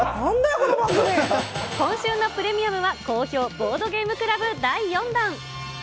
今週のプレミアムは好評、ボードゲーム倶楽部第４弾。